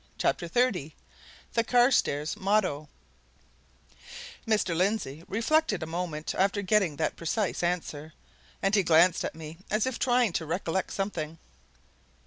CHAPTER XXX THE CARSTAIRS MOTTO Mr. Lindsey reflected a moment after getting that precise answer, and he glanced at me as if trying to recollect something.